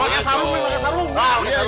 pakai sarung pak pakai sarung